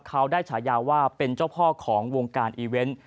เขาได้ฉายาว่าเป็นเจ้าพ่อของวงการอีเวนต์